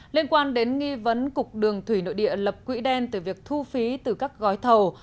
liên quan đến nghi vấn cục đường thủy nội địa lập quỹ đen từ việc thu phí từ các gói thầu